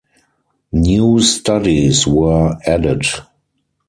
New studies were added.